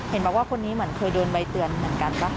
เห็นบอกว่าคนนี้เหมือนเคยโดนใบเตือนเหมือนกันป่ะ